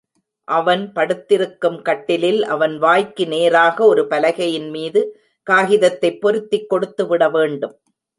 அவன் படுத்திருக்கும் கட்டிலில் அவன் வாய்க்கு நேராக ஒரு பலகையின் மீது காகிதத்தைப் பொருத்திக் கொடுத்து விட வேண்டும்.